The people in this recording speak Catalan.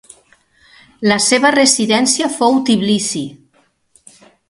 La seva residència fou Tbilisi.